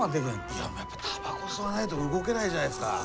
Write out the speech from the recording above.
いやタバコ吸わないと動けないじゃないですか。